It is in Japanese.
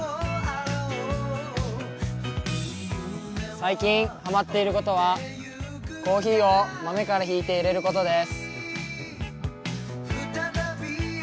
最近、ハマっていることはコーヒーを豆からひいて入れることです。